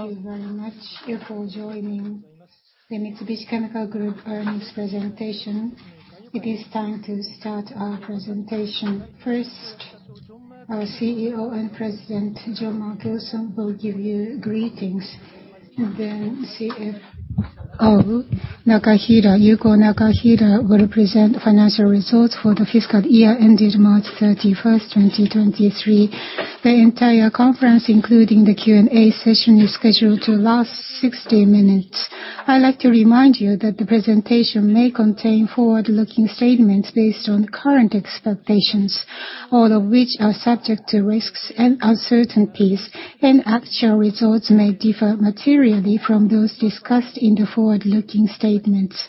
Thank you very much you for joining the Mitsubishi Chemical Group Earnings Presentation. It is time to start our presentation. First, our CEO and President, Jean-Marc Gilson, will give you greetings, and then CFO Nakahira, Yuko Nakahira, will present financial results for the fiscal year ended March 31st, 2023. The entire conference, including the Q&A session, is scheduled to last 60 minutes. I'd like to remind you that the presentation may contain forward-looking statements based on current expectations, all of which are subject to risks and uncertainties, and actual results may differ materially from those discussed in the forward-looking statements.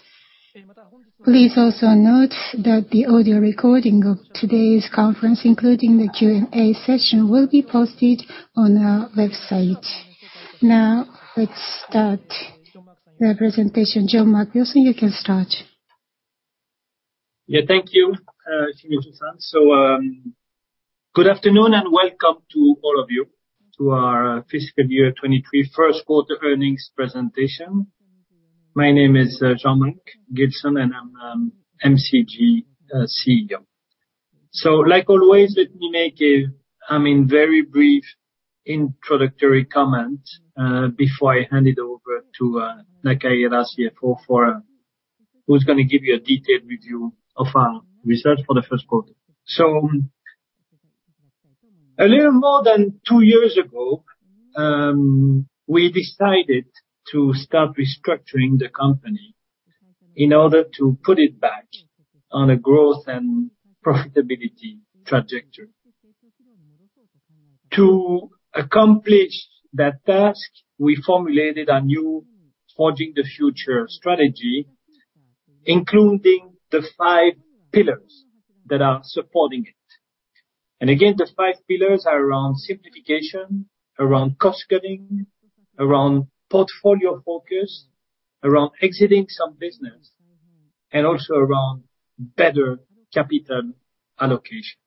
Please also note that the audio recording of today's conference, including the Q&A session, will be posted on our website. Now, let's start the presentation. Jean-Marc Gilson, you can start. Yeah, thank you, Shimizu-san. Good afternoon, and welcome to all of you to our fiscal year 23 first quarter earnings presentation. My name is Jean-Marc Gilson, and I'm MCG CEO. Like always, let me make a, I mean, very brief introductory comment, before I hand it over to Nakahira, CFO, for... Who's gonna give you a detailed review of our research for the first quarter. A little more than 2 years ago, we decided to start restructuring the company in order to put it back on a growth and profitability trajectory. To accomplish that task, we formulated a new Forging the future strategy, including the five pillars that are supporting it. Again, the five pillars are around simplification, around cost cutting, around portfolio focus, around exiting some business, and also around better capital allocation.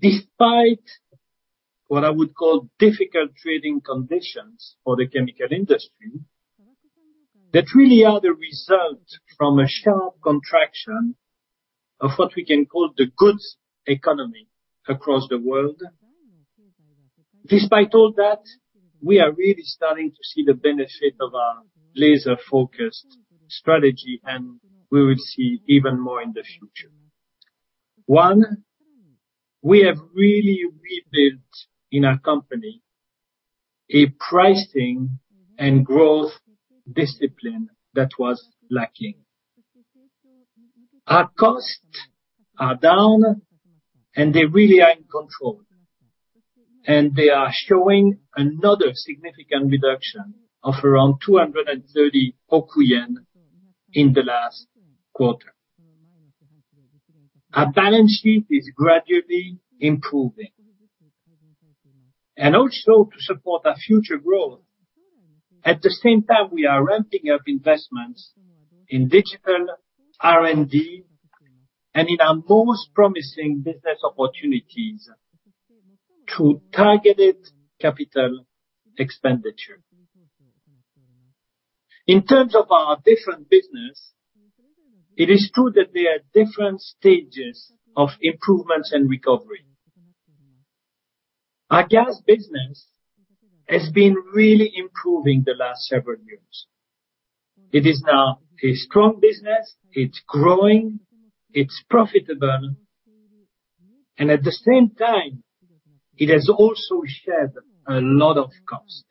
Despite what I would call difficult trading conditions for the chemical industry, that really are the result from a sharp contraction of what we can call the goods economy across the world. Despite all that, we are really starting to see the benefit of our laser-focused strategy. We will see even more in the future. One, we have really rebuilt, in our company, a pricing and growth discipline that was lacking. Our costs are down, and they really are in control, and they are showing another significant reduction of around 230 billion in the last quarter. Our balance sheet is gradually improving. Also to support our future growth, at the same time, we are ramping up investments in digital R&D and in our most promising business opportunities through targeted capital expenditure. In terms of our different business, it is true that there are different stages of improvements and recovery. Our gas business has been really improving the last several years. It is now a strong business, it's growing, it's profitable, and at the same time, it has also shed a lot of cost.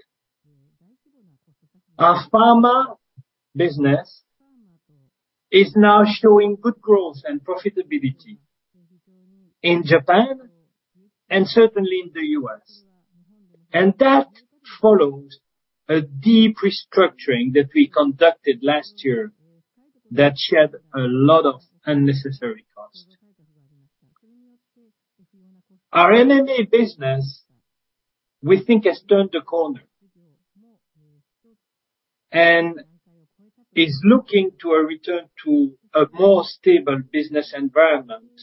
Our pharma business is now showing good growth and profitability in Japan and certainly in the US, and that follows a deep restructuring that we conducted last year that shed a lot of unnecessary costs. Our MMA business, we think, has turned a corner, and is looking to a return to a more stable business environment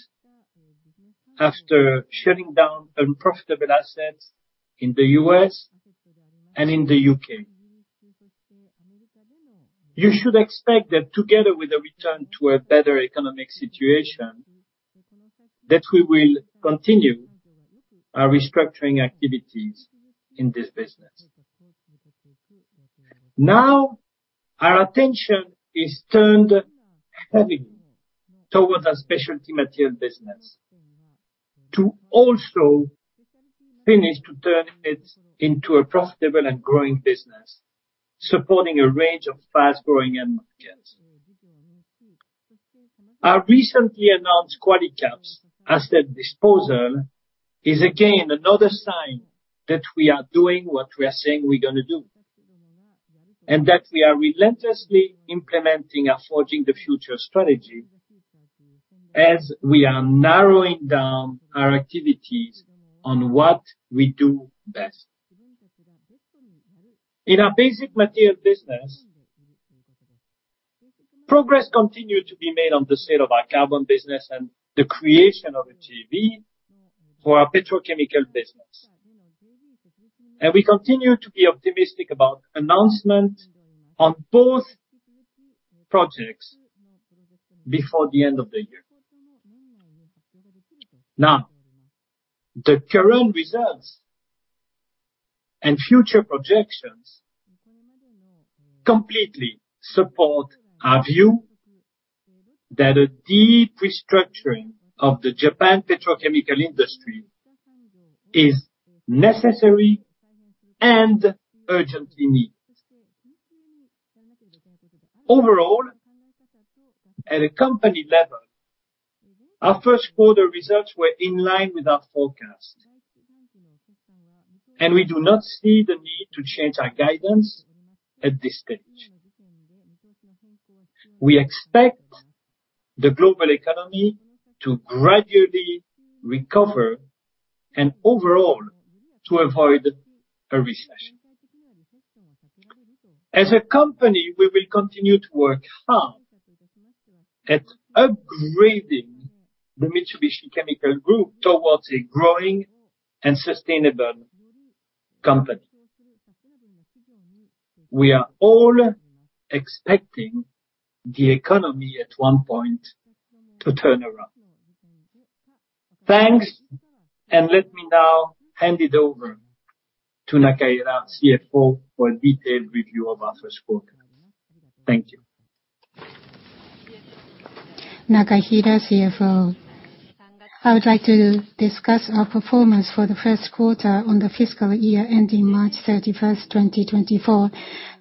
after shutting down unprofitable assets in the US and in the UK. You should expect that together with a return to a better economic situation, that we will continue our restructuring activities in this business. Now, our attention is turned heavily towards our specialty material business to also finish to turn it into a profitable and growing business, supporting a range of fast-growing end markets. Our recently announced Qualicaps asset disposal is again another sign that we are doing what we are saying we're gonna do, and that we are relentlessly implementing our Forging the Future strategy as we are narrowing down our activities on what we do best. In our basic material business, progress continued to be made on the sale of our carbon business and the creation of a JV for our petrochemical business. We continue to be optimistic about announcement on both projects before the end of the year. Now, the current results and future projections completely support our view that a deep restructuring of the Japan petrochemical industry is necessary and urgently needed. Overall, at a company level, our first quarter results were in line with our forecast. We do not see the need to change our guidance at this stage. We expect the global economy to gradually recover and overall to avoid a recession. As a company, we will continue to work hard at upgrading the Mitsubishi Chemical Group towards a growing and sustainable company. We are all expecting the economy at one point to turn around. Thanks. Let me now hand it over to Nakahira, CFO, for a detailed review of our first quarter. Thank you. Nakahira, CFO. I would like to discuss our performance for the first quarter on the fiscal year ending March 31, 2024.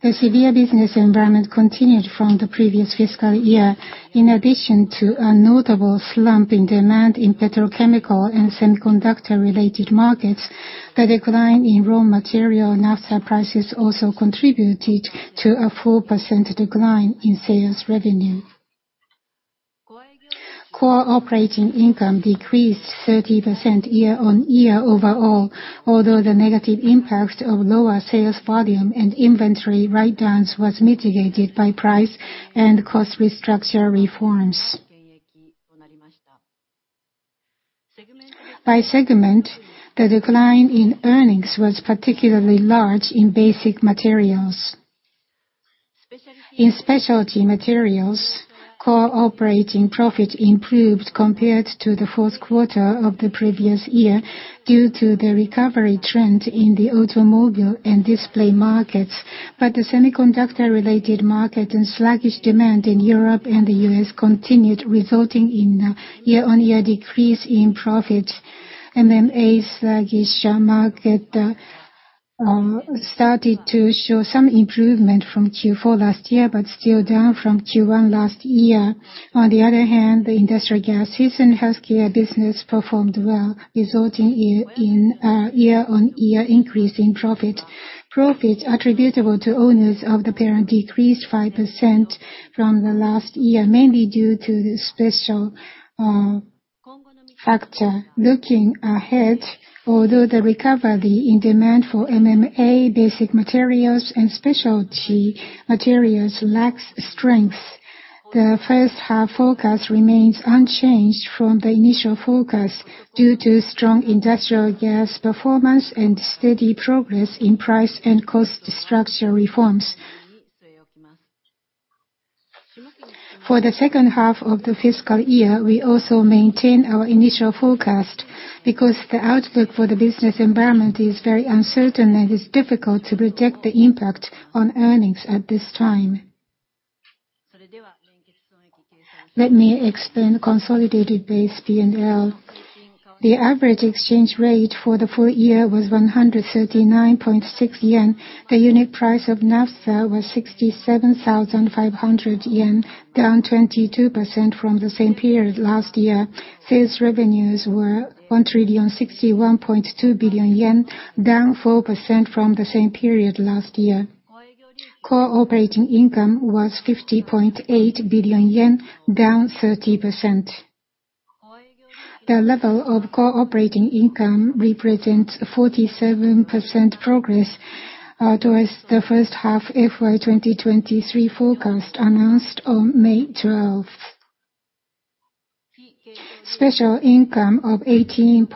The severe business environment continued from the previous fiscal year. In addition to a notable slump in demand in petrochemical and semiconductor-related markets, the decline in raw material naphtha prices also contributed to a 4% decline in sales revenue. Core operating income decreased 30% year-on-year overall, although the negative impact of lower sales volume and inventory write-downs was mitigated by price and cost restructure reforms. By segment, the decline in earnings was particularly large in basic materials. In specialty materials, core operating profit improved compared to the fourth quarter of the previous year, due to the recovery trend in the automobile and display markets. The semiconductor-related market and sluggish demand in Europe and the US continued, resulting in a year-on-year decrease in profit. MMA sluggish market started to show some improvement from Q4 last year, but still down from Q1 last year. On the other hand, the industrial gases and healthcare business performed well, resulting in a year-on-year increase in profit. Profit attributable to owners of the parent decreased 5% from the last year, mainly due to the special factor. Looking ahead, although the recovery in demand for MMA basic materials and specialty materials lacks strength, the first half forecast remains unchanged from the initial forecast due to strong industrial gas performance and steady progress in price and cost structure reforms. For the second half of the fiscal year, we also maintain our initial forecast because the outlook for the business environment is very uncertain, and it's difficult to predict the impact on earnings at this time. Let me explain consolidated base P&L. The average exchange rate for the full year was 139.6 yen. The unit price of naphtha was 67,500 yen, down 22% from the same period last year. Sales revenues were 1,061.2 billion yen, down 4% from the same period last year. Core operating income was 50.8 billion yen, down 30%. The level of core operating income represents 47% progress towards the first half FY 2023 forecast announced on May 12th. Special income of 18.9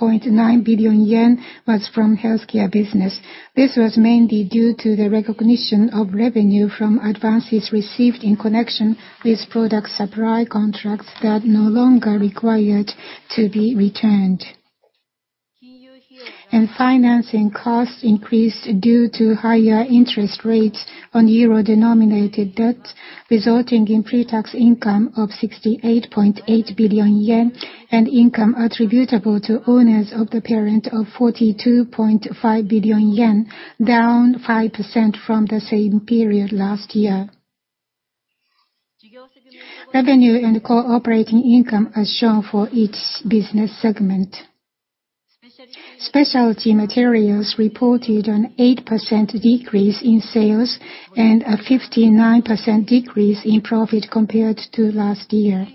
billion yen was from healthcare business. This was mainly due to the recognition of revenue from advances received in connection with product supply contracts that no longer required to be returned. Financing costs increased due to higher interest rates on euro-denominated debt, resulting in pre-tax income of 68.8 billion yen and income attributable to owners of the parent of 42.5 billion yen, down 5% from the same period last year. Revenue and core operating income as shown for each business segment. Specialty Materials reported an 8% decrease in sales and a 59% decrease in profit compared to last year.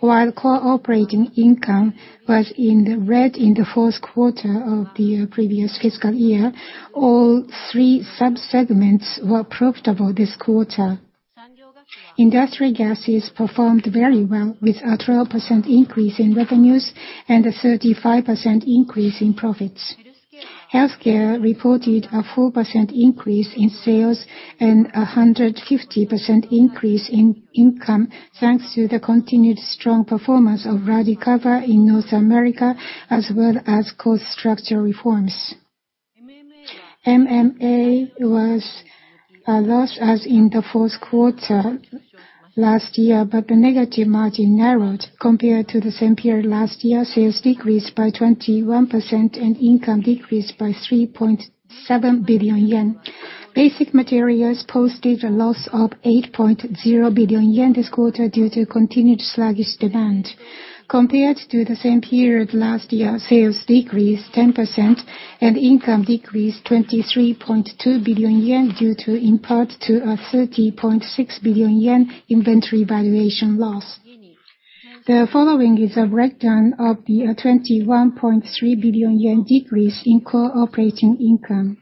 While core operating income was in the red in the fourth quarter of the previous fiscal year, all three subsegments were profitable this quarter. Industrial gases performed very well, with a 12% increase in revenues and a 35% increase in profits. Healthcare reported a 4% increase in sales and a 150% increase in income, thanks to the continued strong performance of Radicava in North America, as well as cost structure reforms. MMA was a loss, as in the fourth quarter last year, but the negative margin narrowed. Compared to the same period last year, sales decreased by 21% and income decreased by 3.7 billion yen. Basic materials posted a loss of 8.0 billion yen this quarter due to continued sluggish demand. Compared to the same period last year, sales decreased 10% and income decreased 23.2 billion yen due to, in part, to a 30.6 billion yen inventory valuation loss. The following is a breakdown of the 21.3 billion yen decrease in core operating income.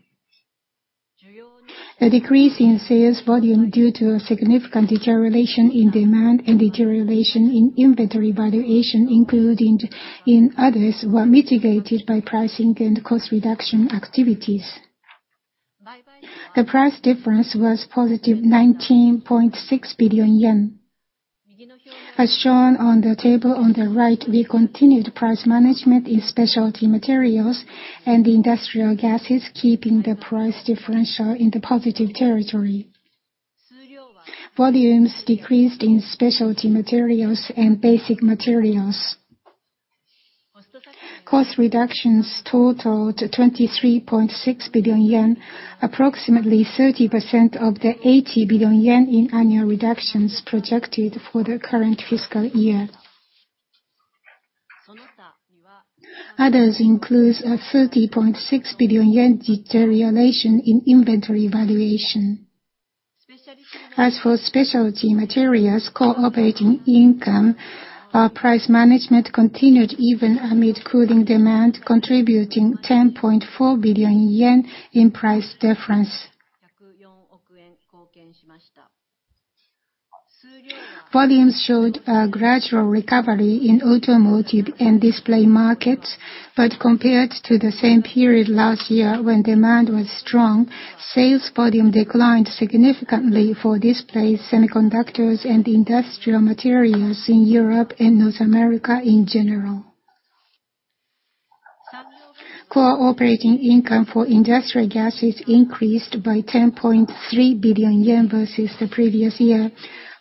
The decrease in sales volume due to a significant deterioration in demand and deterioration in inventory valuation, including in others, were mitigated by pricing and cost reduction activities. The price difference was positive 19.6 billion yen. As shown on the table on the right, we continued price management in specialty materials and industrial gases, keeping the price differential in the positive territory. Volumes decreased in specialty materials and basic materials. Cost reductions totaled 23.6 billion yen, approximately 30% of the 80 billion yen in annual reductions projected for the current fiscal year. Others includes a 30.6 billion yen deterioration in inventory valuation. As for specialty materials, core operating income, our price management continued even amid cooling demand, contributing 10.4 billion yen in price difference. Volumes showed a gradual recovery in automotive and display markets, but compared to the same period last year when demand was strong, sales volume declined significantly for displays, semiconductors, and industrial materials in Europe and North America in general. Core operating income for industrial gases increased by 10.3 billion yen versus the previous year.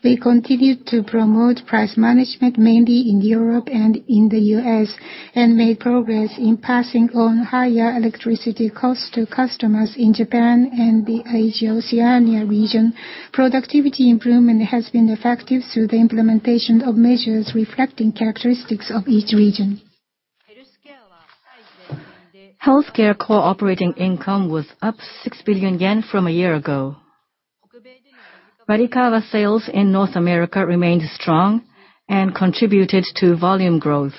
We continued to promote price management, mainly in Europe and in the U.S., and made progress in passing on higher electricity costs to customers in Japan and the Asia Oceania region. Productivity improvement has been effective through the implementation of measures reflecting characteristics of each region. Healthcare core operating income was up 6 billion yen from a year ago. Radicava sales in North America remained strong and contributed to volume growth.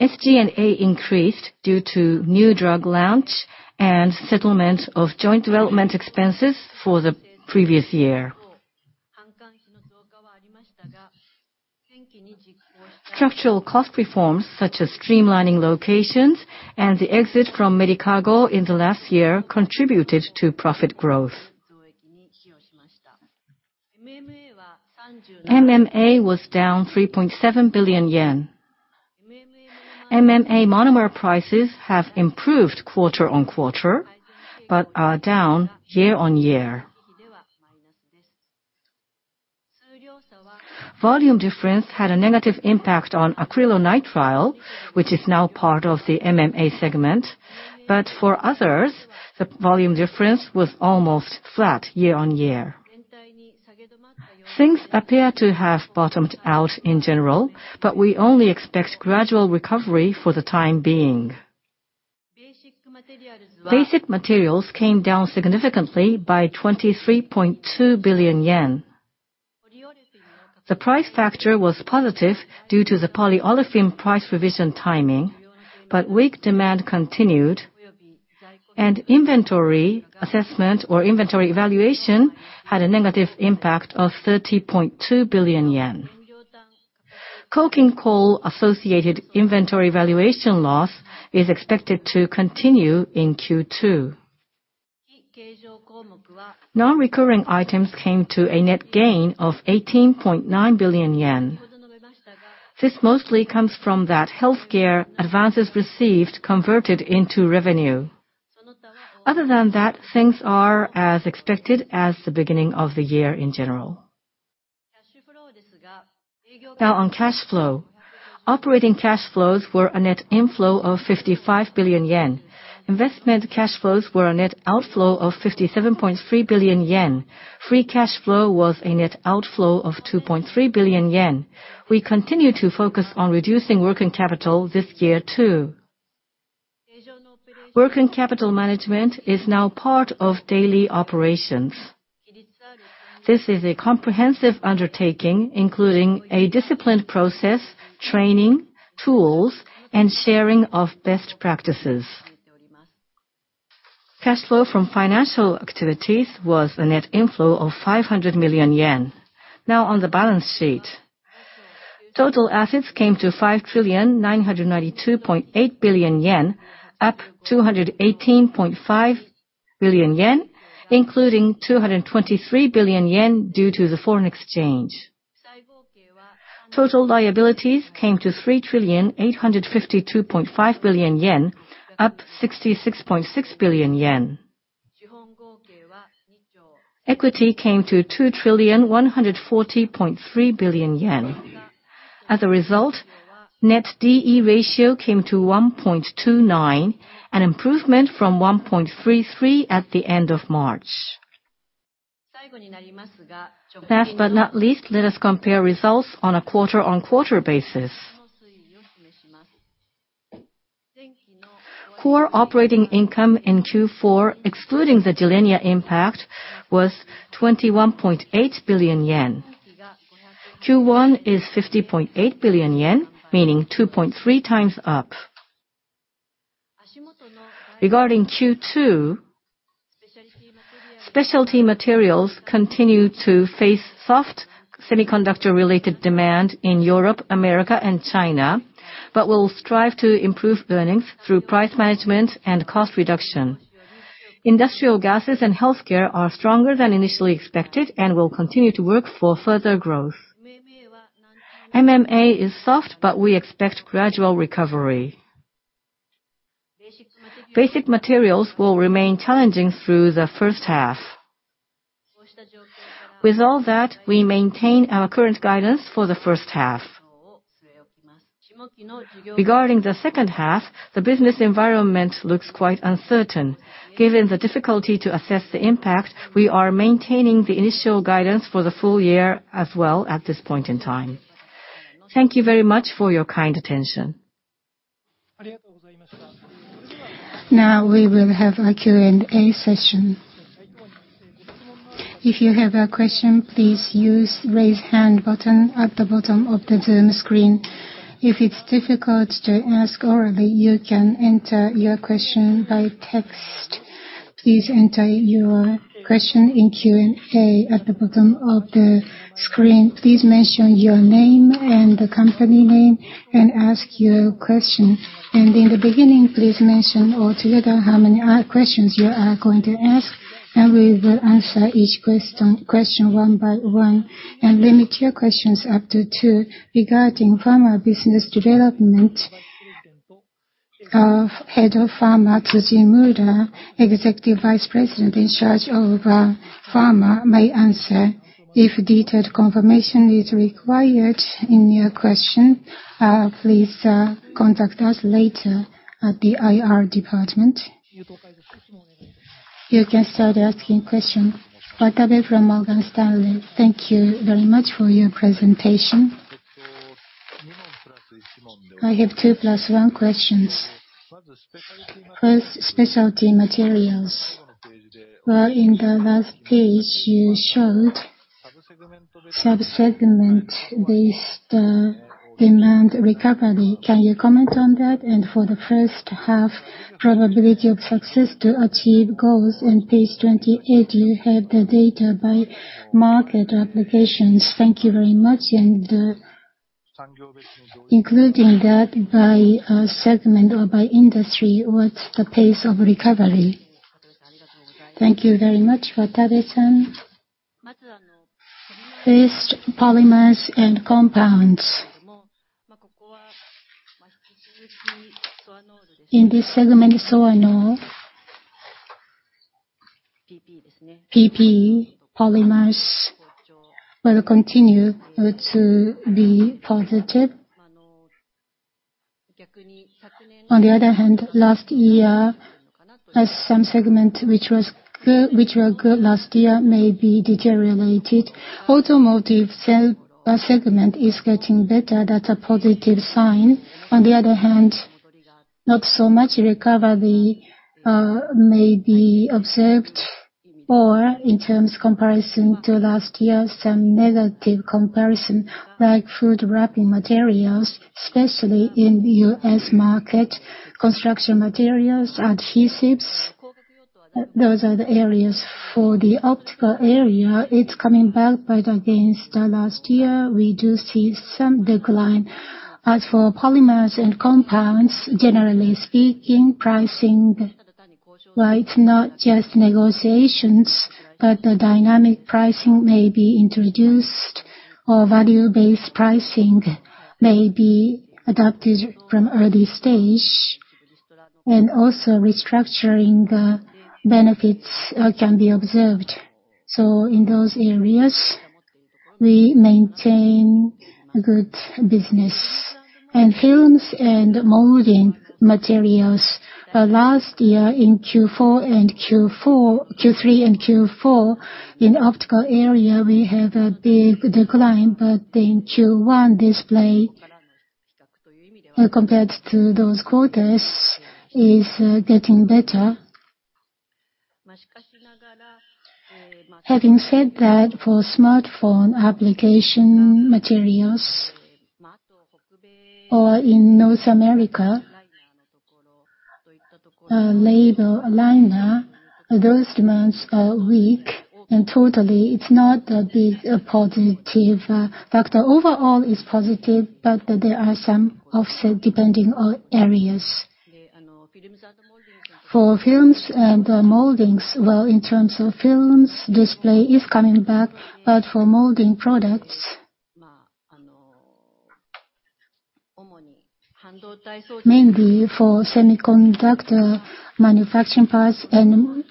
SG&A increased due to new drug launch and settlement of joint development expenses for the previous year. Structural cost reforms, such as streamlining locations and the exit from Medicago in the last year, contributed to profit growth. MMA was down 3.7 billion yen. MMA monomer prices have improved quarter-on-quarter, but are down year-on-year. Volume difference had a negative impact on Acrylonitrile, which is now part of the MMA segment, but for others, the volume difference was almost flat year-on-year. Things appear to have bottomed out in general, but we only expect gradual recovery for the time being. Basic materials came down significantly by 23.2 billion yen. The price factor was positive due to the polyolefin price revision timing, but weak demand continued, and inventory assessment or inventory valuation had a negative impact of 30.2 billion yen. Coking coal-associated inventory valuation loss is expected to continue in Q2. Non-recurring items came to a net gain of 18.9 billion yen. This mostly comes from that healthcare advances received converted into revenue. Other than that, things are as expected as the beginning of the year in general. Now on cash flow. Operating cash flows were a net inflow of 55 billion yen. Investment cash flows were a net outflow of 57.3 billion yen. Free cash flow was a net outflow of 2.3 billion yen. We continue to focus on reducing working capital this year, too. Working capital management is now part of daily operations. This is a comprehensive undertaking, including a disciplined process, training, tools, and sharing of best practices. Cash flow from financial activities was a net inflow of 500 million yen. On the balance sheet, total assets came to 5,992.8 billion yen, up 218.5 billion yen, including 223 billion yen due to the foreign exchange. Total liabilities came to 3,852.5 billion yen, up 66.6 billion yen. Equity came to 2,140.3 billion yen. As a result, net D/E ratio came to 1.29, an improvement from 1.33 at the end of March. Last but not least, let us compare results on a quarter-on-quarter basis. Core operating income in Q4, excluding the TENELIA impact, was 21.8 billion yen. Q1 is 50.8 billion yen, meaning 2.3 times up. Regarding Q2, specialty materials continue to face soft semiconductor-related demand in Europe, America, and China, will strive to improve earnings through price management and cost reduction. Industrial gases and healthcare are stronger than initially expected and will continue to work for further growth. MMA is soft, we expect gradual recovery. Basic materials will remain challenging through the first half. With all that, we maintain our current guidance for the first half. Regarding the second half, the business environment looks quite uncertain. Given the difficulty to assess the impact, we are maintaining the initial guidance for the full year as well at this point in time. Thank you very much for your kind attention. Now, we will have a Q&A session. If you have a question, please use Raise Hand button at the bottom of the Zoom screen. If it's difficult to ask orally, you can enter your question by text. Please enter your question in Q&A at the bottom of the screen. Please mention your name and the company name, and ask your question. In the beginning, please mention all together how many questions you are going to ask, and we will answer each question, question one by one, and limit your questions up to two. Regarding pharma business development, of Head of Pharma, Tsujimura, Executive Vice President in charge of pharma, may answer. If detailed confirmation is required in your question, please contact us later at the IR department. You can start asking questions. Watabe from Morgan Stanley. Thank you very much for your presentation. I have 2 plus 1 questions. 1st, specialty materials. Well, in the last page, you showed sub-segment-based demand recovery. Can you comment on that? For the 1st half, probability of success to achieve goals. In page 28, you have the data by market applications. Thank you very much. Including that by segment or by industry, what's the pace of recovery? Thank you very much, Watabe-san. First, polymers and compounds. In this segment, SoarnoL, PP polymers will continue to be positive. On the other hand, last year, as some segment which was good-- which were good last year, may be deteriorated. Automotive sale segment is getting better. That's a positive sign. On the other hand, not so much recovery may be observed, or in terms comparison to last year, some negative comparison, like food wrapping materials, especially in the US market, construction materials, adhesives, those are the areas. For the optical area, it's coming back, but against last year, we do see some decline. As for polymers and compounds, generally speaking, pricing, well, it's not just negotiations, but the dynamic pricing may be introduced or value-based pricing may be adopted from early stage, and also restructuring benefits can be observed. In those areas, we maintain a good business. films and molding materials, last year in Q4 and Q3 and Q4, in optical area, we had a big decline, but in Q1, display, compared to those quarters, is getting better.... Having said that, for smartphone application materials or in North America, label liner, those demands are weak and totally it's not a big positive factor. Overall, it's positive, but there are some offset depending on areas. For films and moldings, well, in terms of films, display is coming back, but for molding products, mainly for semiconductor manufacturing parts and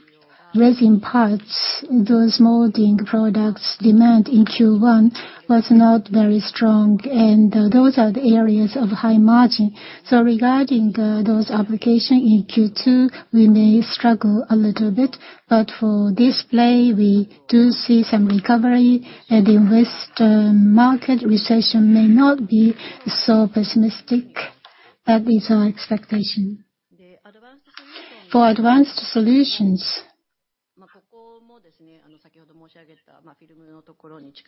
resin parts, those molding products demand in Q1 was not very strong, and those are the areas of high margin. Regarding those application, in Q2, we may struggle a little bit, but for display, we do see some recovery, and invest market recession may not be so pessimistic. That is our expectation. For advanced solutions,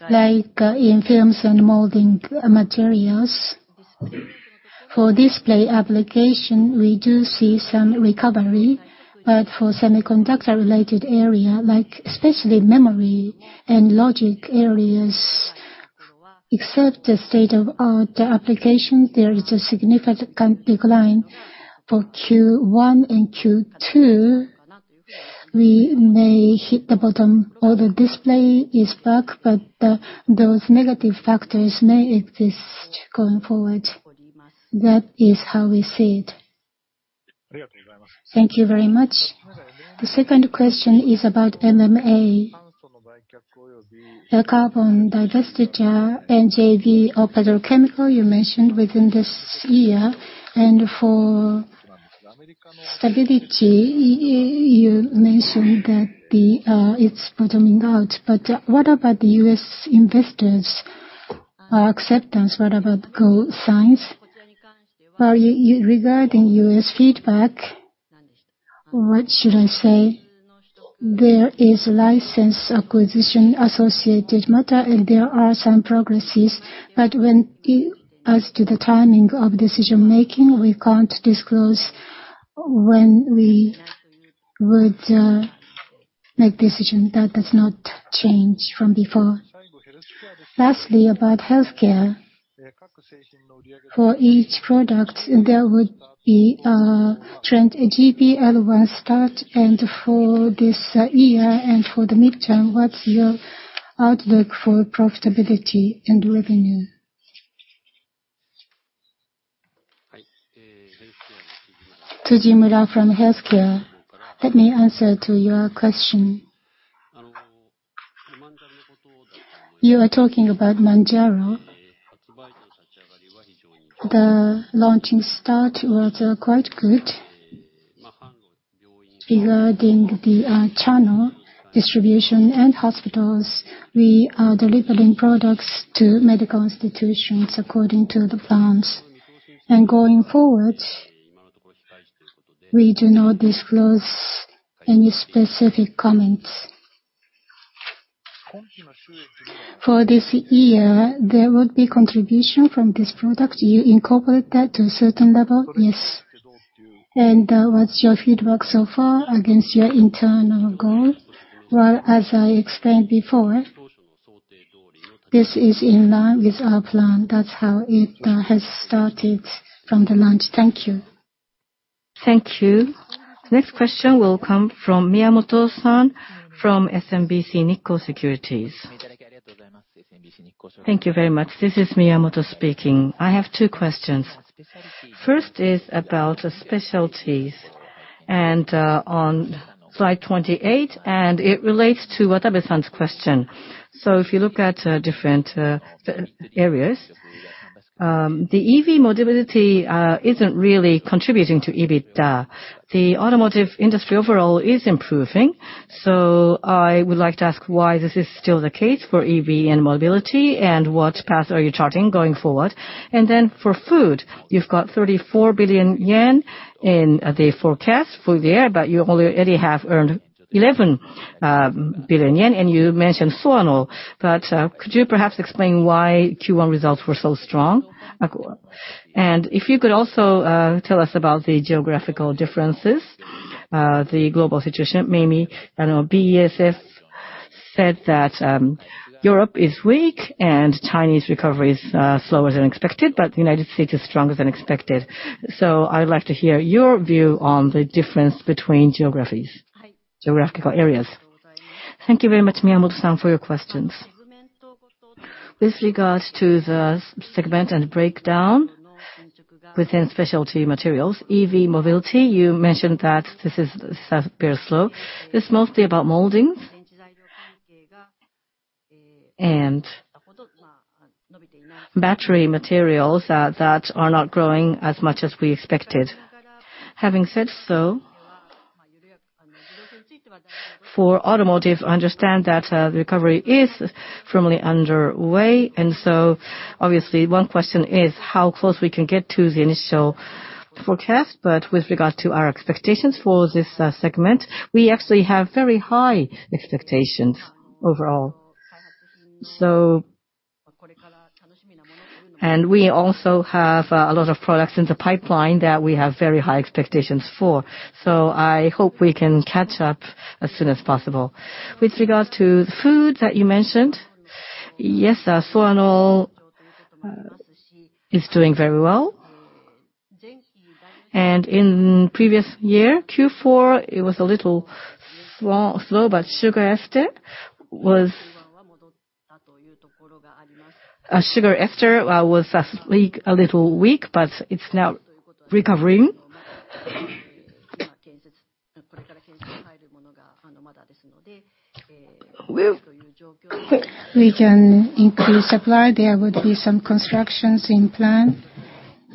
like, in films and molding materials, for display application, we do see some recovery, but for semiconductor-related area, like especially memory and logic areas, except the state-of-art application, there is a significant decline for Q1 and Q2. We may hit the bottom or the display is back, but those negative factors may exist going forward. That is how we see it. Thank you very much. The second question is about MMA. The carbon divestiture and JV operator chemical you mentioned within this year, and for stability, you mentioned that it's bottoming out. What about the U.S. investors, acceptance? What about go signs? Well, regarding U.S. feedback, what should I say? There is license acquisition associated matter, there are some progresses, as to the timing of decision-making, we can't disclose when we would make decision. That does not change from before. Lastly, about healthcare. For each product, there would be a trend, a GLP-1 start, for this year and for the midterm, what's your outlook for profitability and revenue? Tsujimura from Healthcare. Let me answer to your question. You are talking about Mounjaro. The launching start was quite good. Regarding the channel distribution and hospitals, we are delivering products to medical institutions according to the plans. Going forward, we do not disclose any specific comments. For this year, there would be contribution from this product. You incorporate that to a certain level? Yes. What's your feedback so far against your internal goal? Well, as I explained before, this is in line with our plan. That's how it has started from the launch. Thank you. Thank you. Next question will come from Miyamoto-san from SMBC Nikko Securities. Thank you very much. This is Miyamoto speaking. I have two questions. First is about specialties, and on slide 28, and it relates to Watabe-san's question. If you look at different areas, the EV mobility isn't really contributing to EBITDA. The automotive industry overall is improving, so I would like to ask why this is still the case for EV and mobility, and what path are you charting going forward? Then for food, you've got 34 billion yen in the forecast for the year, but you only already have earned 11 billion yen, and you mentioned SoarnoL. Could you perhaps explain why Q1 results were so strong? If you could also tell us about the geographical differences, the global situation, maybe. I know BASF said that Europe is weak and Chinese recovery is slower than expected, but the United States is stronger than expected. I would like to hear your view on the difference between geographies, geographical areas. Thank you very much, Miyamoto-san, for your questions. With regards to the segment and breakdown within specialty materials, EV mobility, you mentioned that this is very slow. It's mostly about moldings and battery materials that are not growing as much as we expected. Having said so, for automotive, I understand that the recovery is firmly underway, and so obviously, one question is how close we can get to the initial forecast. With regard to our expectations for this segment, we actually have very high expectations overall.... and we also have a lot of products in the pipeline that we have very high expectations for. I hope we can catch up as soon as possible. With regards to the food that you mentioned, yes, SoarnoL is doing very well. In previous year, Q4, it was a little slow, slow, but sugar ester was... A sugar ester was weak, a little weak, but it's now recovering. We, we can increase supply, there would be some constructions in plan.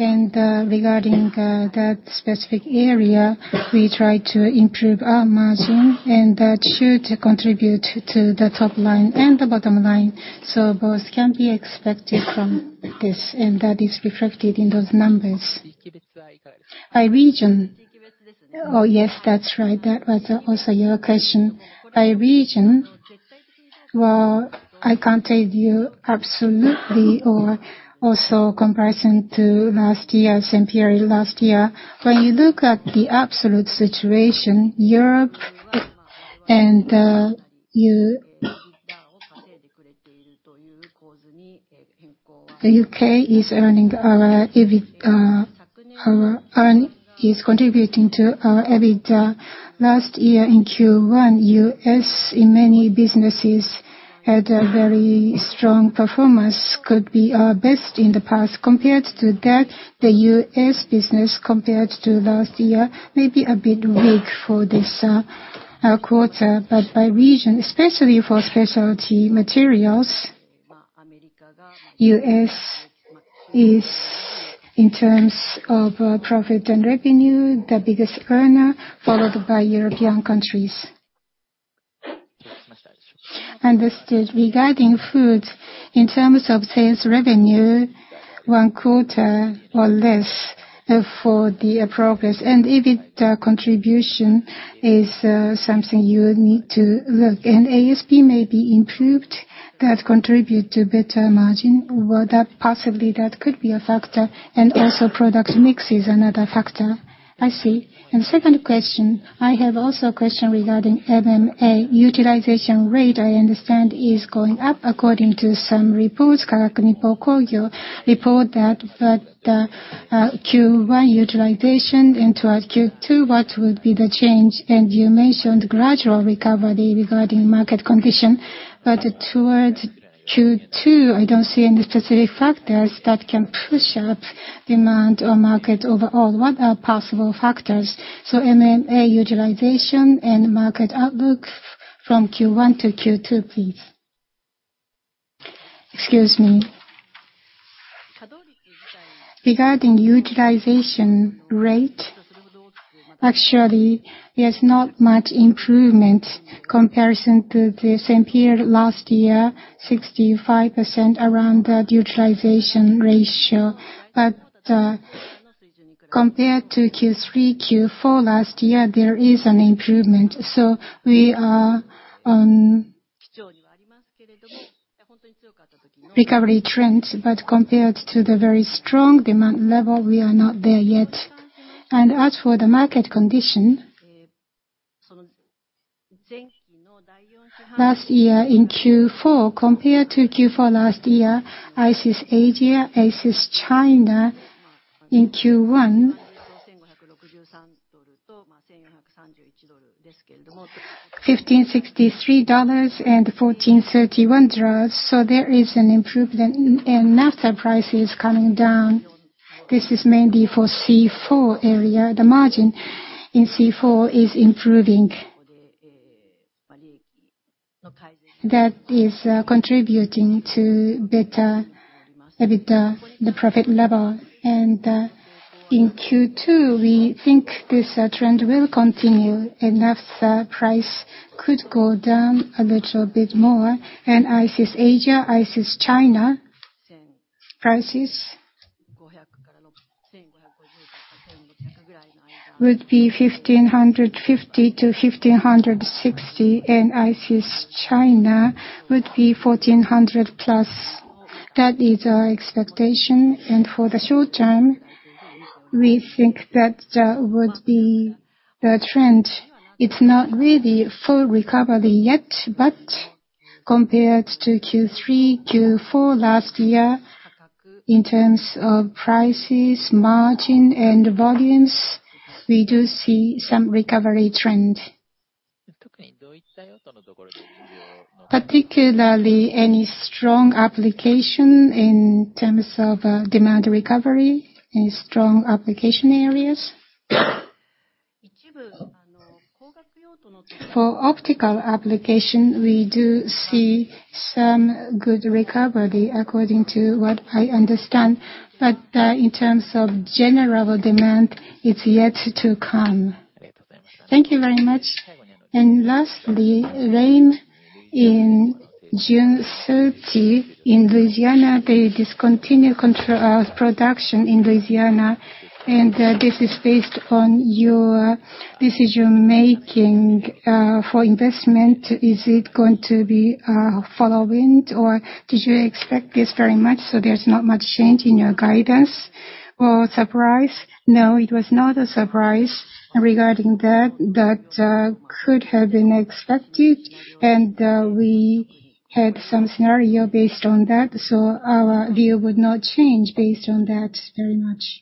Regarding that specific area, we try to improve our margin, and that should contribute to the top line and the bottom line. Both can be expected from this, and that is reflected in those numbers. By region, oh, yes, that's right, that was also your question. By region, well, I can't tell you absolutely, or also comparison to last year, same period last year. When you look at the absolute situation, Europe and the UK is earning our EBIT, is contributing to our EBIT. Last year in Q1, US in many businesses had a very strong performance, could be our best in the past. Compared to that, the US business, compared to last year, may be a bit weak for this quarter. By region, especially for specialty materials, U.S. is, in terms of profit and revenue, the biggest earner, followed by European countries. Understood. Regarding food, in terms of sales revenue, 1 quarter or less for the progress, and EBIT contribution is something you would need to look. ASP may be improved, that contribute to better margin. Well, that possibly that could be a factor, and also product mix is another factor. I see. Second question, I have also a question regarding MMA. Utilization rate, I understand, is going up according to some reports, Karakuni Pokogio report that the Q1 utilization into our Q2, what would be the change? You mentioned gradual recovery regarding market condition, but towards Q2, I don't see any specific factors that can push up demand or market overall. What are possible factors? MMA utilization and market outlook from Q1 to Q2, please. Excuse me. Regarding utilization rate, actually, there's not much improvement comparison to the same period last year, 65% around the utilization ratio. Compared to Q3, Q4 last year, there is an improvement. We are on recovery trend, but compared to the very strong demand level, we are not there yet. As for the market condition, last year in Q4, compared to Q4 last year, ICIS Asia, ICIS China in Q1, $1,563 and $1,431, there is an improvement in NAFTA prices coming down. This is mainly for C4 area. The margin in C4 is improving. That is contributing to better EBITDA, the profit level. In Q2, we think this trend will continue, and NAFTA price could go down a little bit more. ICIS Asia, ICIS China prices would be $1,550-$1,560, and ICIS China would be $1,400+. That is our expectation, and for the short term, we think that would be the trend. It's not really full recovery yet, but compared to Q3, Q4 last year, in terms of prices, margin, and volumes, we do see some recovery trend. Particularly, any strong application in terms of demand recovery, any strong application areas? For optical application, we do see some good recovery, according to what I understand. In terms of general demand, it's yet to come. Thank you very much. Lastly, rain in June 30 in Louisiana, they discontinue control, production in Louisiana, and, this is based on your decision-making, for investment. Is it going to be following, or did you expect this very much, so there's not much change in your guidance? Well, surprise? No, it was not a surprise regarding that. That could have been expected. We had some scenario based on that. Our view would not change based on that very much.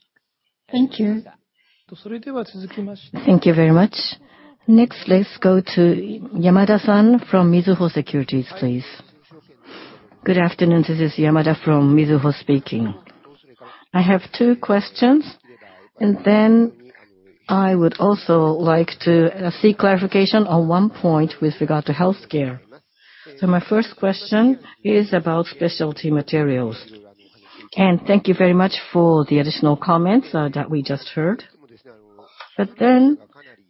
Thank you. Thank you very much. Next, let's go to Yamada-san from Mizuho Securities, please. Good afternoon. This is Yamada from Mizuho Securities speaking. I have 2 questions, and then I would also like to seek clarification on 1 point with regard to healthcare. My 1st question is about specialty materials, and thank you very much for the additional comments that we just heard. Then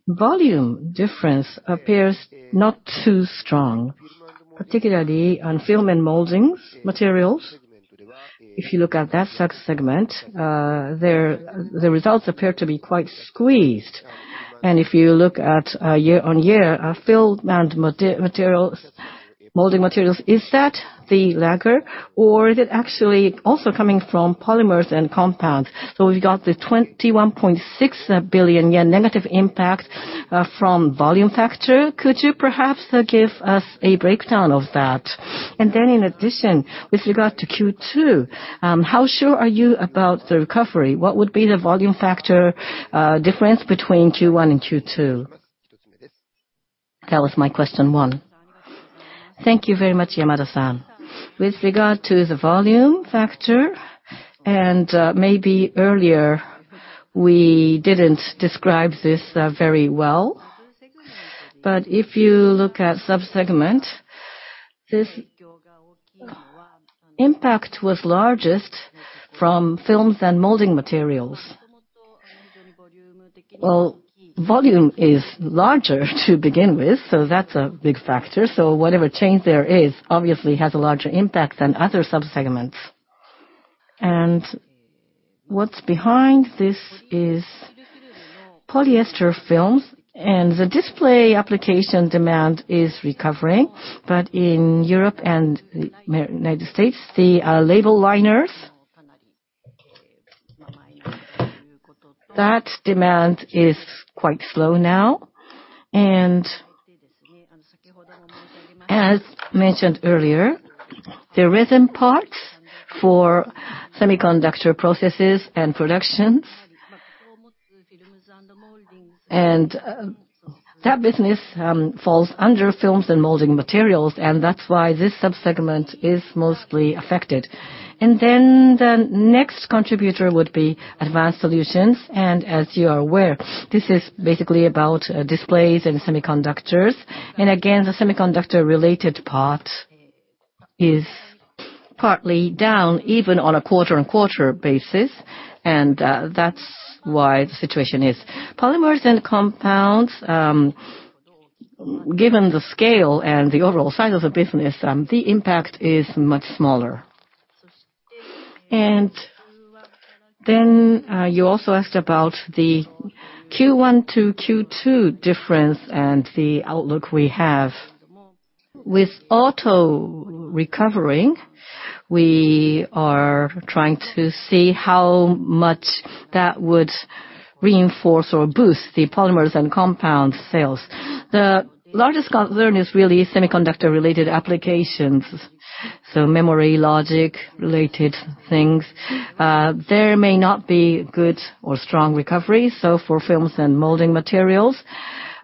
volume difference appears not too strong, particularly on film and moldings materials. If you look at that subsegment, their, the results appear to be quite squeezed. If you look at year-on-year, film and materials, molding materials, is that the lagger, or is it actually also coming from polymers and compounds? We've got the 21.6 billion yen negative impact from volume factor. Could you perhaps give us a breakdown of that? Then in addition, with regard to Q2, how sure are you about the recovery? What would be the volume factor, difference between Q1 and Q2? That was my question one. Thank you very much, Yamada-san. With regard to the volume factor, maybe earlier, we didn't describe this very well, but if you look at sub-segment, this impact was largest from films and molding materials. Well, volume is larger to begin with, so that's a big factor, so whatever change there is obviously has a larger impact than other sub-segments. What's behind this is polyester films, the display application demand is recovering, but in Europe and United States, the label liners, that demand is quite slow now. As mentioned earlier, the resin parts for semiconductor processes and productions, that business falls under films and molding materials, and that's why this sub-segment is mostly affected. The next contributor would be advanced solutions, and as you are aware, this is basically about displays and semiconductors. Again, the semiconductor-related part is partly down, even on a quarter-on-quarter basis, and that's why the situation is. Polymers and compounds, given the scale and the overall size of the business, the impact is much smaller. You also asked about the Q1 to Q2 difference and the outlook we have. With auto recovering, we are trying to see how much that would reinforce or boost the polymers and compounds sales. The largest concern is really semiconductor-related applications, so memory, logic related things. There may not be good or strong recovery, so for films and molding materials,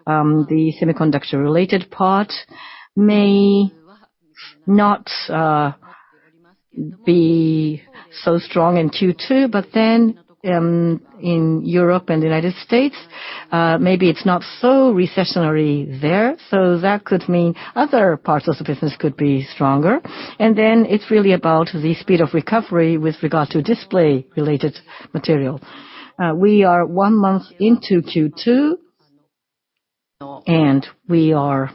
the semiconductor-related part may not be so strong in Q2. In Europe and the U.S., maybe it's not so recessionary there, so that could mean other parts of the business could be stronger. It's really about the speed of recovery with regard to display-related material. We are one month into Q2, and we are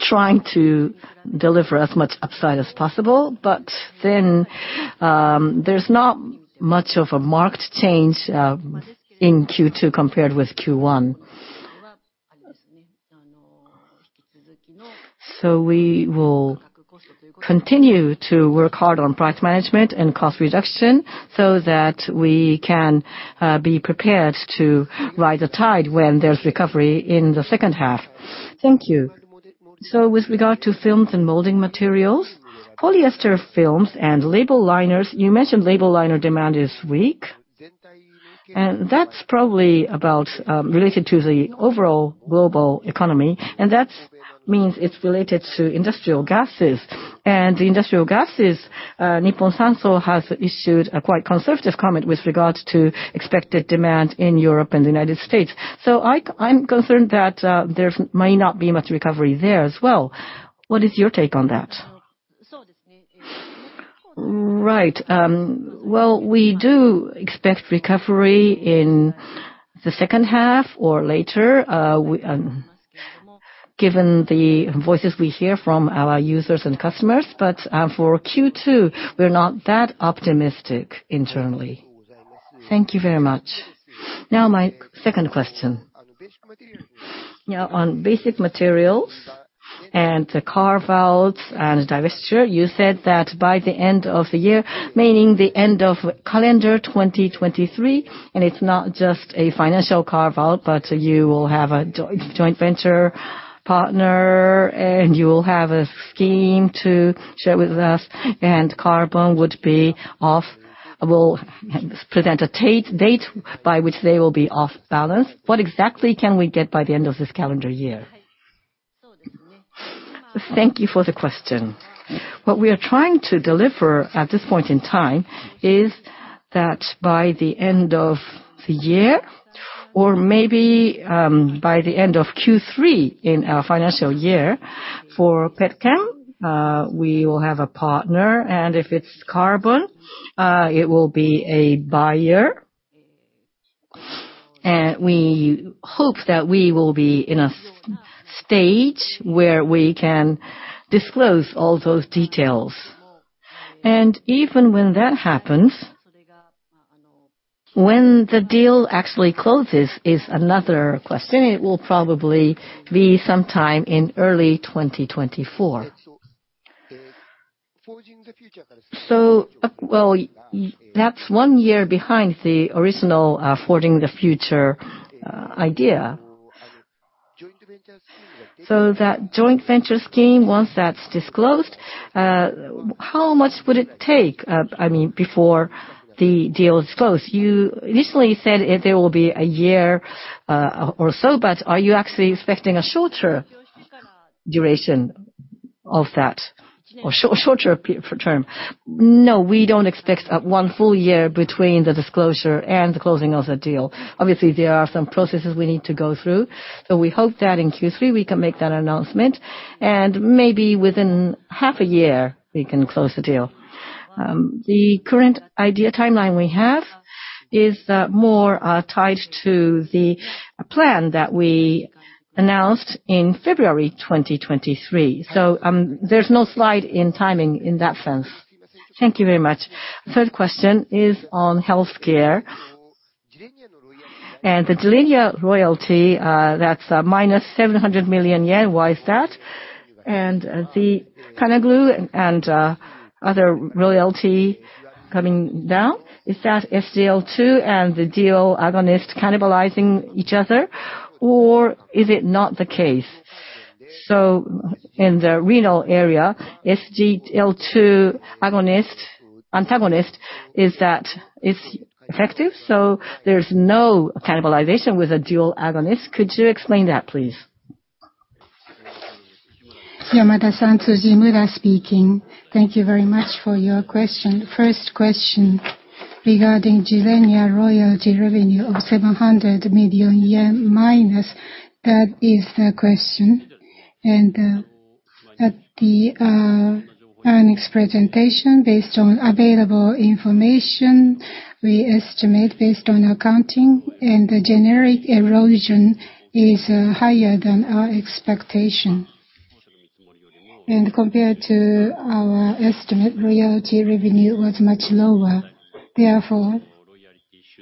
trying to deliver as much upside as possible, there's not much of a marked change in Q2 compared with Q1. We will continue to work hard on price management and cost reduction so that we can be prepared to ride the tide when there's recovery in the second half. Thank you. With regard to films and molding materials, polyester films and label liners, you mentioned label liner demand is weak, and that's probably about related to the overall global economy, and that's means it's related to industrial gases. Industrial gases, Nippon Sanso has issued a quite conservative comment with regards to expected demand in Europe and the United States. I'm concerned that there's may not be much recovery there as well. What is your take on that? Right. Well, we do expect recovery in the second half or later, we, given the voices we hear from our users and customers. For Q2, we're not that optimistic internally. Thank you very much. Now my second question. On basic materials and the carve-outs and divestiture, you said that by the end of the year, meaning the end of calendar 2023, and it's not just a financial carve-out, but you will have a joint venture partner, and you will have a scheme to share with us, and carbon will present a date by which they will be off balance. What exactly can we get by the end of this calendar year? Thank you for the question. What we are trying to deliver at this point in time, is that by the end of the year, or maybe, by the end of Q3 in our financial year, for petchem, we will have a partner, and if it's carbon, it will be a buyer. We hope that we will be in a stage where we can disclose all those details. Even when that happens, when the deal actually closes is another question. It will probably be sometime in early 2024. Well, that's 1 year behind the original Forging the Future idea. That joint venture scheme, once that's disclosed, how much would it take, I mean, before the deal is closed? You initially said it, there will be a year or so, but are you actually expecting a shorter duration of that, or shorter term? No, we don't expect 1 full year between the disclosure and the closing of the deal. Obviously, there are some processes we need to go through. We hope that in Q3 we can make that announcement, and maybe within half a year, we can close the deal. The current idea timeline we have is more tied to the plan that we announced in February 2023. There's no slide in timing in that sense. Thank you very much. Third question is on healthcare. The TENELIA royalty, that's minus 700 million yen. Why is that? The canagliflozin and other royalty coming down, is that SGLT2 and the dual agonist cannibalizing each other, or is it not the case? In the renal area, SGLT2 agonist, antagonist, is that it's effective, so there's no cannibalization with the dual agonist? Could you explain that, please? Yamada-san, Tsujimura speaking. Thank you very much for your question. First question regarding TENELIA royalty revenue of 700 million yen minus, that is the question. At the earnings presentation, based on available information, we estimate based on accounting, and the generic erosion is higher than our expectation. Compared to our estimate, royalty revenue was much lower. Therefore,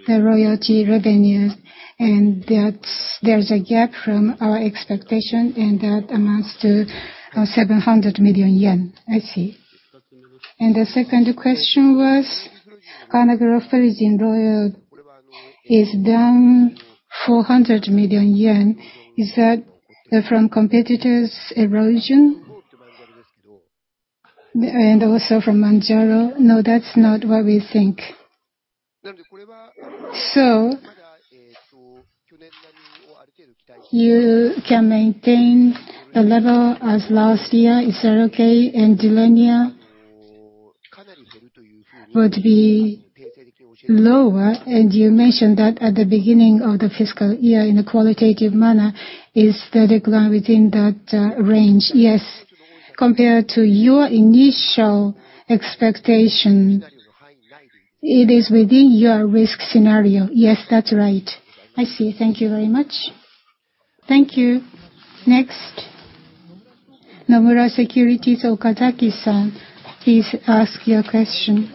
the royalty revenue, and that's there's a gap from our expectation, and that amounts to 700 million yen. I see. The second question was, canagliflozin royal is down 400 million yen. Is that from competitors' erosion? Also from Mounjaro. No, that's not what we think. You can maintain the level as last year, is that okay? TENELIA would be lower, and you mentioned that at the beginning of the fiscal year in a qualitative manner, is the decline within that range? Yes. Compared to your initial expectation, it is within your risk scenario? Yes, that's right. I see. Thank you very much. Thank you. Next, Nomura Securities, Okazaki-san, please ask your question.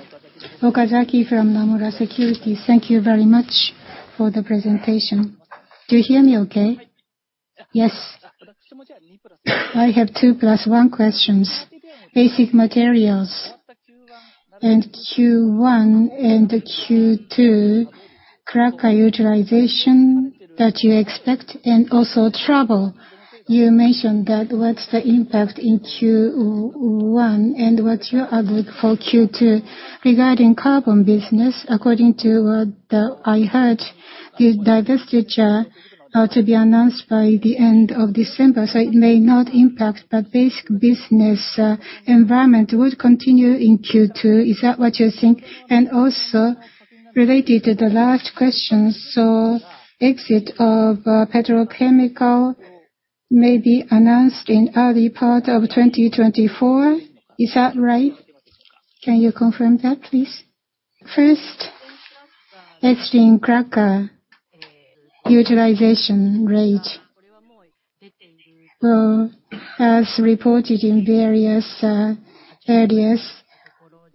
Okazaki from Nomura Securities. Thank you very much for the presentation. Do you hear me okay? Yes. I have 2 plus 1 questions. Basic materials and Q1 and Q2, cracker utilization that you expect and also trouble. You mentioned that what's the impact in Q1 and what you are looking for Q2. Regarding carbon business, according to what I heard, the divestiture are to be announced by the end of December, so it may not impact. Basic business, environment would continue in Q2. Is that what you think? Also, related to the last question, exit of petrochemical-... may be announced in early part of 2024. Is that right? Can you confirm that, please? First, extreme cracker utilization rate. Well, as reported in various areas,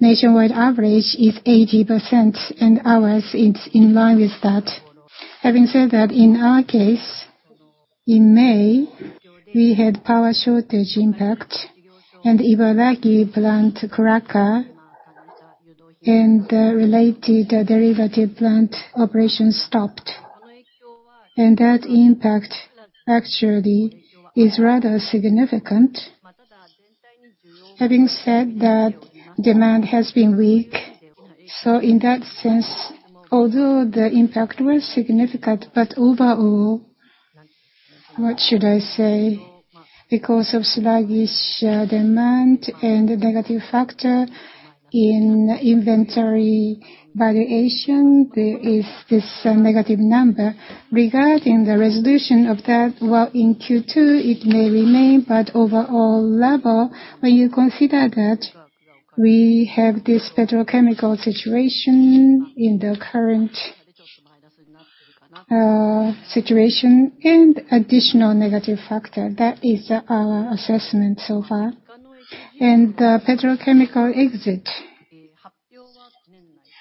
nationwide average is 80%. Ours is in line with that. Having said that, in our case, in May, we had power shortage impact, and Ibaraki plant cracker and related derivative plant operations stopped. That impact actually is rather significant. Having said that, demand has been weak, so in that sense, although the impact was significant, but overall, what should I say? Because of sluggish demand and the negative factor in inventory valuation, there is this negative number. Regarding the resolution of that, well, in Q2 it may remain, but overall level, when you consider that we have this petrochemical situation in the current situation and additional negative factor, that is our assessment so far. The petrochemical exit,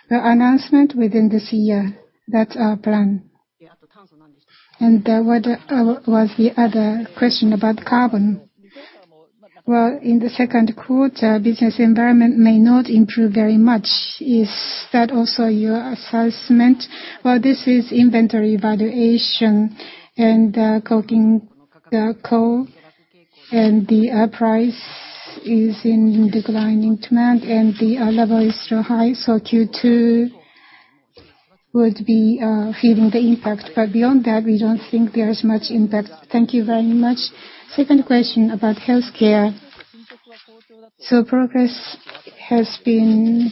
the announcement within this year, that's our plan. What was the other question about carbon? Well, in the second quarter, business environment may not improve very much. Is that also your assessment? Well, this is inventory valuation, and coking the coal, and the price is in declining demand, and the level is still high, so Q2 would be feeling the impact. Beyond that, we don't think there is much impact. Thank you very much. Second question about healthcare. Progress has been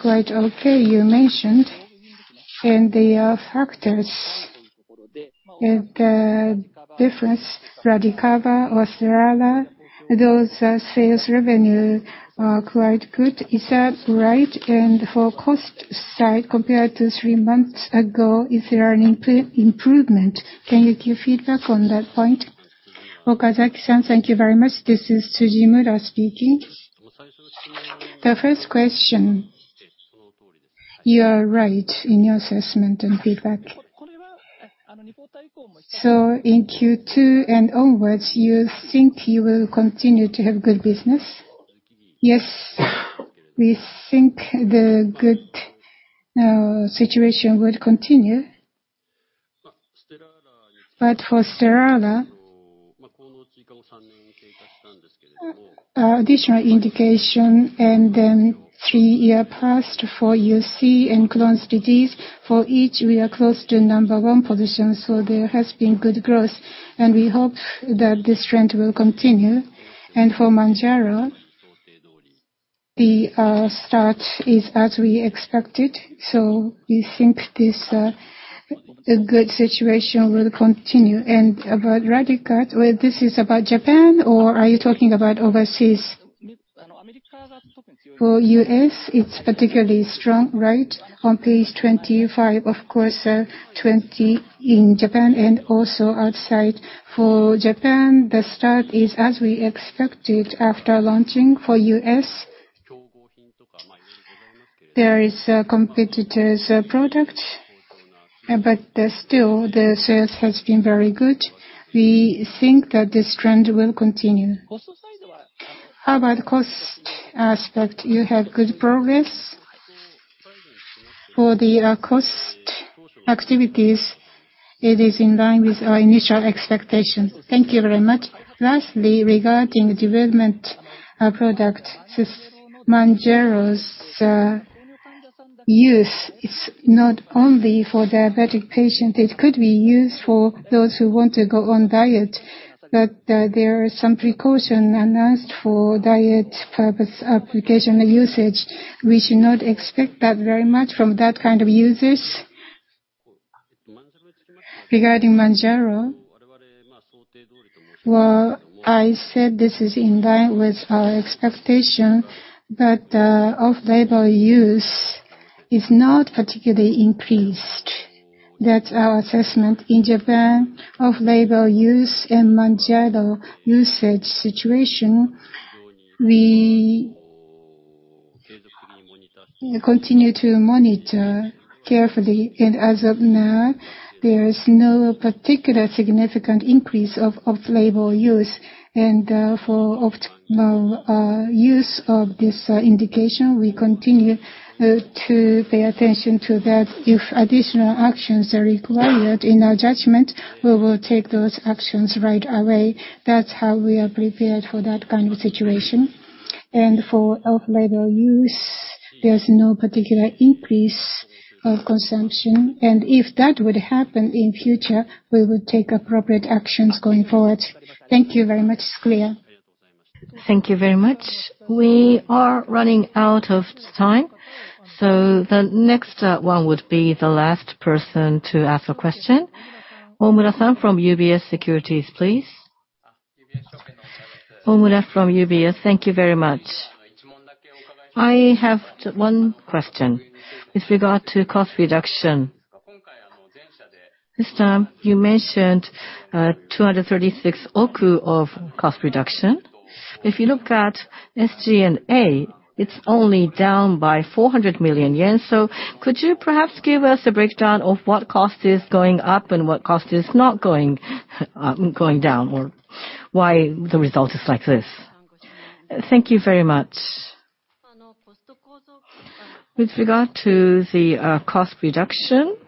quite okay, you mentioned, and there are factors that difference Radicava, Stelara, those sales revenue are quite good. Is that right? For cost side, compared to 3 months ago, is there an improvement? Can you give feedback on that point? Okazaki-san, thank you very much. This is Tsujimura speaking. The first question, you are right in your assessment and feedback. In Q2 and onwards, you think you will continue to have good business? Yes, we think the good situation will continue. For Stelara, additional indication, and then three year passed for UC and Crohn's disease. For each, we are close to number one position, so there has been good growth, and we hope that this trend will continue. For Mounjaro, the start is as we expected, so we think this a good situation will continue. About Radicava, well, this is about Japan, or are you talking about overseas? For U.S., it's particularly strong, right? On page 25, of course, 20 in Japan and also outside. For Japan, the start is as we expected after launching. For U.S., there is a competitor's product, but still, the sales has been very good. We think that this trend will continue. How about cost aspect? You have good progress? For the cost activities, it is in line with our initial expectations. Thank you very much. Lastly, regarding development of product, this Mounjaro's use, it's not only for diabetic patients, it could be used for those who want to go on diet. There are some precaution announced for diet purpose application usage. We should not expect that very much from that kind of users? Regarding Mounjaro, well, I said this is in line with our expectation, but the off-label use is not particularly increased. That's our assessment. In Japan, off-label use and Mounjaro usage situation, we continue to monitor carefully, and as of now, there is no particular significant increase of off-label use. For optimal use of this indication, we continue to pay attention to that. If additional actions are required in our judgment, we will take those actions right away. That's how we are prepared for that kind of situation. For off-label use, there's no particular increase of consumption, and if that would happen in future, we would take appropriate actions going forward. Thank you very much. Clear. Thank you very much. We are running out of time, so the next one would be the last person to ask a question. Omura-san from UBS Securities, please. Omura from UBS. Thank you very much. I have one question with regard to cost reduction. This time, you mentioned 23.6 billion of cost reduction. If you look at SG&A, it's only down by 400 million yen. Could you perhaps give us a breakdown of what cost is going up and what cost is not going down, or why the result is like this? Thank you very much. With regard to the cost reduction,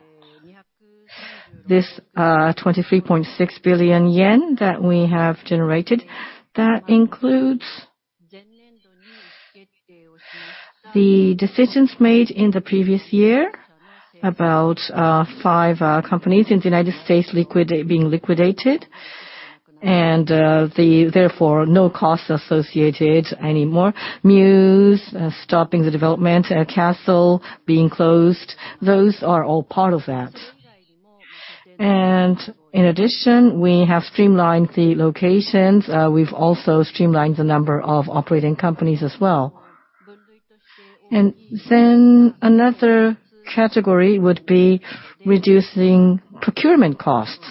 this 23.6 billion yen that we have generated, that includes the decisions made in the previous year, about 5 companies in the United States being liquidated, and therefore, no costs associated anymore. Muse stopping the development, Cassel being closed, those are all part of that. In addition, we have streamlined the locations, we've also streamlined the number of operating companies as well. Another category would be reducing procurement costs.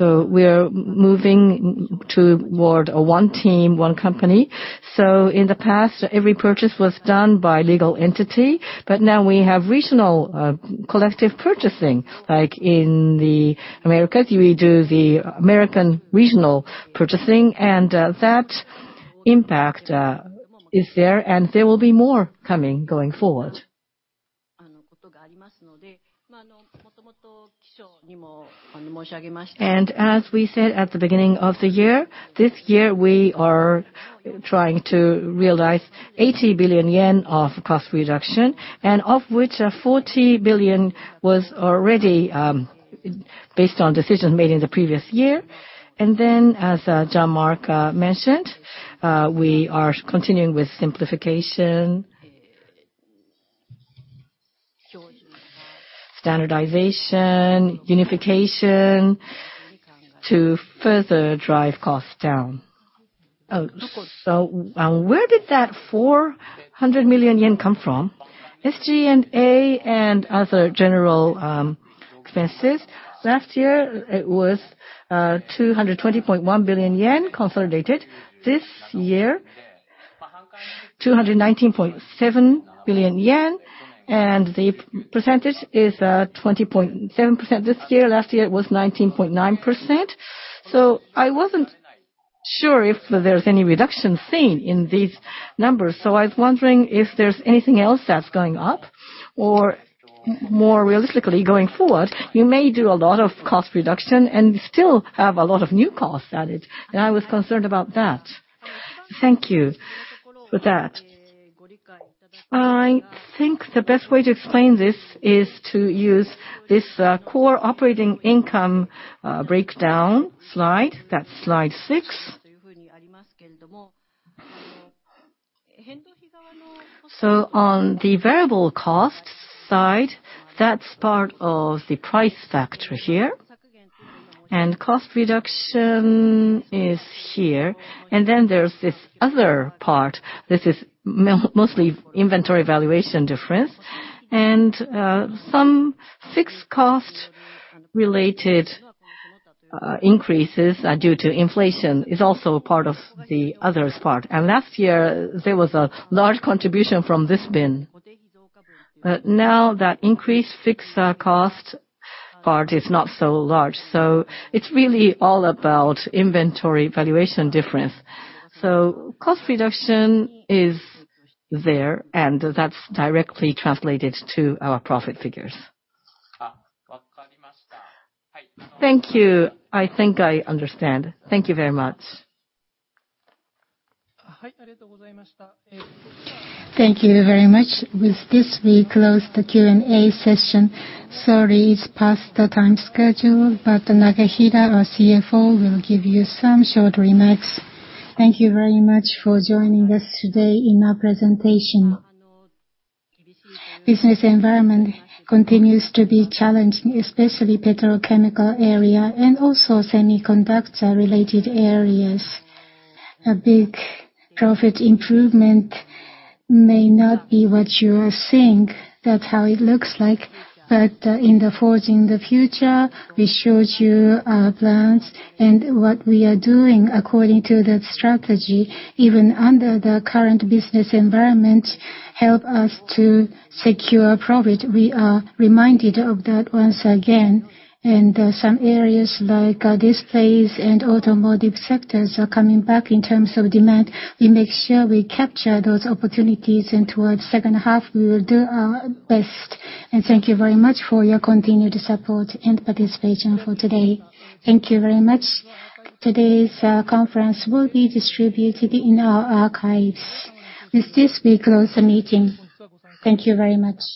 We are moving toward a one team, one company. In the past, every purchase was done by legal entity, but now we have regional, collective purchasing, like in the Americas, we do the American regional purchasing, and that impact is there, and there will be more coming going forward. As we said at the beginning of the year, this year we are trying to realize 80 billion yen of cost reduction, and of which, 40 billion was already based on decisions made in the previous year. As Jean-Marc mentioned, we are continuing with simplification, standardization, unification to further drive costs down. Where did that 400 million yen come from? SG&A and other general expenses. Last year, it was 220.1 billion yen consolidated. This year, 219.7 billion yen, and the percentage is 20.7% this year. Last year, it was 19.9%. I wasn't sure if there's any reduction seen in these numbers, so I was wondering if there's anything else that's going up, or more realistically, going forward, you may do a lot of cost reduction and still have a lot of new costs added, and I was concerned about that. Thank you for that. I think the best way to explain this is to use this core operating income breakdown slide. That's slide six. On the variable costs side, that's part of the price factor here, and cost reduction is here. Then there's this other part. This is mostly inventory valuation difference. Some fixed cost related increases due to inflation is also a part of the others part. Last year, there was a large contribution from this bin. Now that increased fixed cost part is not so large, it's really all about inventory valuation difference. Cost reduction is there, and that's directly translated to our profit figures. Thank you. I think I understand. Thank you very much. Thank you very much. With this, we close the Q&A session. Sorry, it's past the time schedule, but Nakahira, our CFO, will give you some short remarks. Thank you very much for joining us today in our presentation. Business environment continues to be challenging, especially petrochemical area and also semiconductor-related areas. A big profit improvement may not be what you think, that's how it looks like, but in the Forging the Future, we showed you our plans and what we are doing according to that strategy, even under the current business environment, help us to secure profit. We are reminded of that once again. Some areas like displays and automotive sectors are coming back in terms of demand. We make sure we capture those opportunities, and towards second half, we will do our best. Thank you very much for your continued support and participation for today. Thank you very much. Today's conference will be distributed in our archives. With this, we close the meeting. Thank you very much.